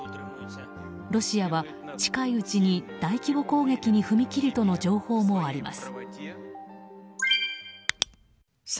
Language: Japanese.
ロシアは近いうちに大規模攻撃に踏み切るとの情報もあります。